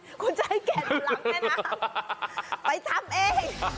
โอ้ยคุณจะให้แกดูหลังแม่น้ำไปทำเอง